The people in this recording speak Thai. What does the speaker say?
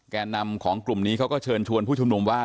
แก่นำของกลุ่มนี้เขาก็เชิญชวนผู้ชุมนุมว่า